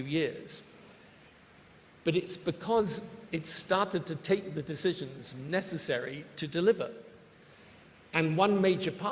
mereka banyak berkontribusi untuk menstabilkan ekonomi kita